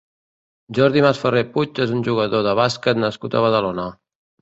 Jordi Masferrer Puig és un jugador de bàsquet nascut a Badalona.